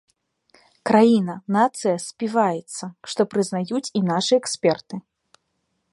Краіна, нацыя співаецца, што прызнаюць і нашы эксперты.